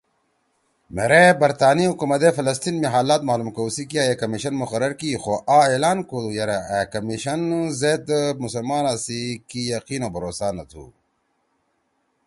مھیرے برطانی حکومت ئے فلسطین می حالات معلُوم کؤ سی کیا اے کمیشن مقرر کی ئی خو آ اعلان کودُو یرأ اے کمیشن زید مسلمانا سی کی یقین او بھروسہ نہ تُھو